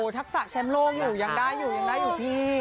ทักษะแชมป์โลกอยู่ยังได้อยู่ยังได้อยู่พี่